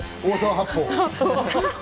大沢八方！